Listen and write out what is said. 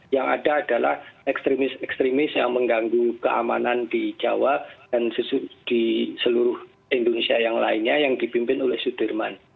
yang ada adalah ekstremis ekstremis yang mengganggu keamanan di jawa dan di seluruh indonesia yang lainnya yang dipimpin oleh sudirman